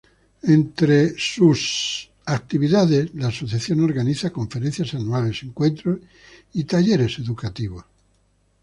Entre sus actividades, la Asociación organiza conferencias anuales, encuentros y talleres educativos.